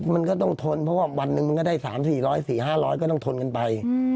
มันก็ต้องทนเพราะว่าวันนึงได้๓๔ร้อย๔๕ร้อยก็ต้องทนกันไป